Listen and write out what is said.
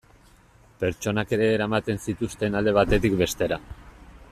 Pertsonak ere eramaten zituzten alde batetik bestera.